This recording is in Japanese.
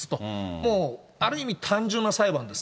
もうある意味単純な裁判です。